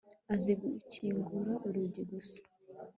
Azi gukingura urugi gusa